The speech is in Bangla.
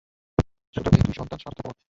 শুধু এই দুই সন্তান স্বার্থপর।